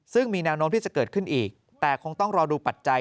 ซึ่งมีแนวโน้มที่จะเกิดขึ้นอีกแต่คงต้องรอดูปัจจัย